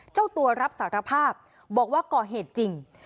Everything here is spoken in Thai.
เจ้าตัวรับสารภาพบอกว่าก่อเหตุจริง